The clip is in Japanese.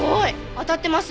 当たってます。